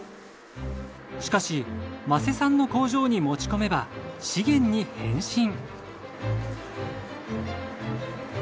しかし間瀬さんの工場に持ち込めば資源に変身。